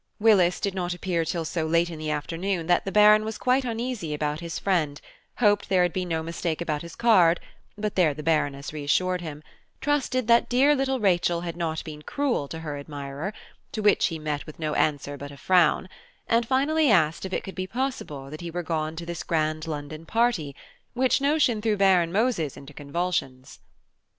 Willis did not appear till so late in the afternoon that the Baron was quite uneasy about his friend, hoped there had been no mistake about his card (but there the Baroness reassured him), trusted that dear little Rachel had not been cruel to her admirer, to which he met with no answer but a frown; and finally asked if it could be possible that he were gone to this grand London party, which notion threw Baron Moses into convulsions.